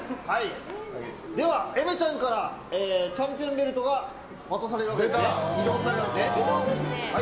では、えめちゃんからチャンピオンベルトが渡されるわけですね。